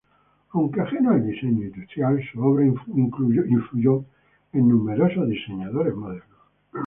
Aunque ajeno al diseño industrial, su obra influyó en numerosos diseñadores modernos.